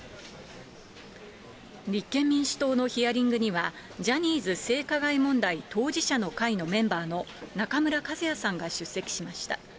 立憲民主党のヒアリングには、ジャニーズ性加害問題当事者の会のメンバーの中村一也さんが出席しました。